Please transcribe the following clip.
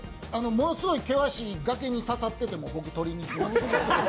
ものすごい険しい崖に刺さってても僕、取りにいきます。